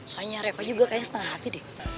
soalnya reva juga kayaknya setengah hati deh